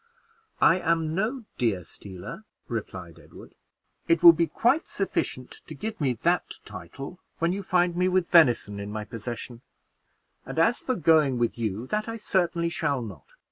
"I am no deer stealer," replied Edward. "It will be quite sufficient to give me that title when you find me with venison in my possession; and as for going with you, that I certainly shall not.